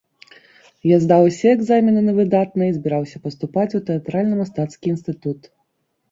Я здаў усе экзамены на выдатна і збіраўся паступаць у тэатральна-мастацкі інстытут.